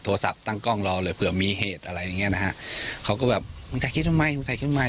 โทรศัพท์ตั้งกล้องรอเลยเผื่อมีเหตุอะไรอย่างนี้นะครับเขาก็แบบมึงจะคิดว่าไม่